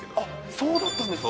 そうだったんですか。